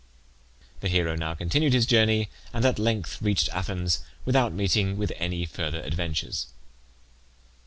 The hero now continued his journey, and at length reached Athens without meeting with any further adventures.